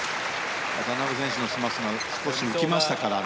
渡辺選手のスマッシュが少し浮きましたから。